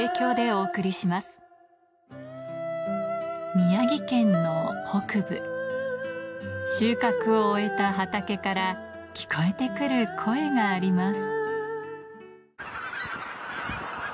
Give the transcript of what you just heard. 宮城県の北部収穫を終えた畑から聞こえてくる声があります